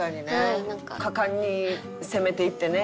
果敢に攻めていってね。